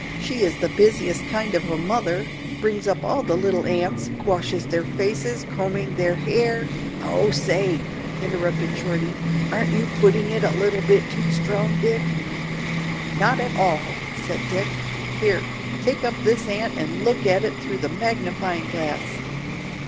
She is the busiest kind of a mother, brings up all the little ants, washing their faces, combing their hair " "Oh, say," interrupted Shorty, "aren't you putting it a little bit too strong, Dick?" "Not at all," said Dick; "here, take up this ant and look at it through the magnifying glass."